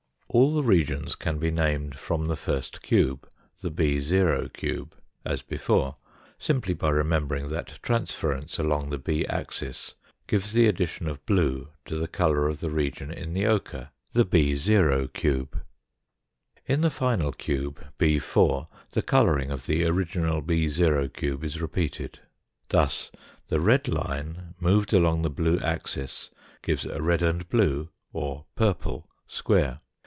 All the regions can be named from the first cube, the 60 cube, as before, simply by remembering that transference along the 6 axis gives the addition of blue to the colour of (he region in the ochre, the 60 cube. In the final cube 64, the colouring of the original 60 cube is repeated. Thus the red line moved along the blue axis gives a red and blue or purple square.